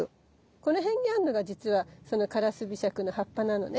この辺にあんのがじつはそのカラスビシャクの葉っぱなのね。